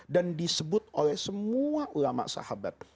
dan disebut oleh semua ulama sahabat